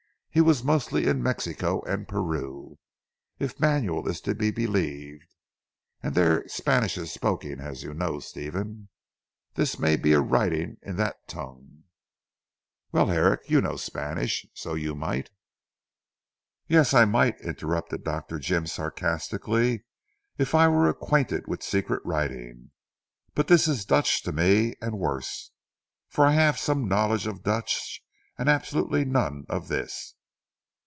He was mostly in Mexico and Peru, if Manuel is to be believed, and there Spanish is spoken as you know, Stephen. This may be a writing in that tongue." "Well Herrick, you know Spanish, so you might, " "Yes, I might," interrupted Dr. Jim sarcastically, "if I were acquainted with secret writing. But this is Dutch to me and worse, for I have some knowledge of Dutch and absolutely none of this.